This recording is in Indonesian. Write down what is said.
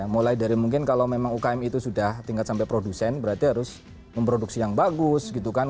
mulai dari mungkin kalau memang ukm itu sudah tingkat sampai produsen berarti harus memproduksi yang bagus gitu kan